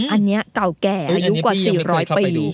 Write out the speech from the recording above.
อันนี้เก่าแก่อายุกว่า๔๐๐ปี